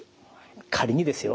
仮にですよ